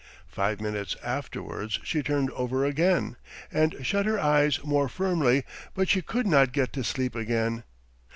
Five minutes afterwards she turned over again and shut her eyes more firmly but she could not get to sleep again.